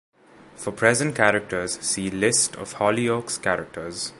For present characters see "List of Hollyoaks characters".